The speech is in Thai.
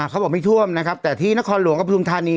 เขาบอกไม่ท่วมนะครับแต่ที่นครหลวงกับปฐุมธานี